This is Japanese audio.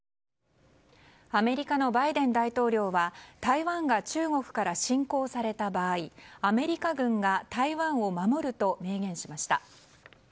アメリカのバイデン大統領は台湾が中国から侵攻された場合アメリカ軍が台湾を守ると明言しました。